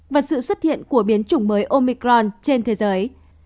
và sự xuất hiện của biến chủng mới omicron trên thế giới